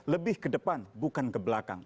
lebih ke depan bukan ke belakang